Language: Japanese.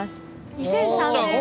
２００３年。